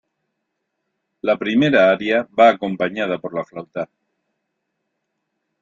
La primera aria va acompañada por la flauta.